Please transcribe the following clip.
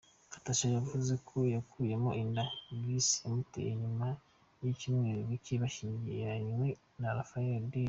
Natasha yavuze ko yakuyemo inda Giggs yamuteye nyuma y’ibyumweru bike ashyingiranywe na Rhodri.